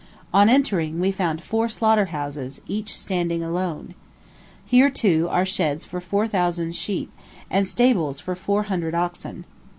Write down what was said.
On entering, we found four slaughter houses, each standing alone. Here, too, are sheds for four thousand sheep, and stables for four hundred oxen.